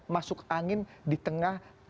masuk angin di tengah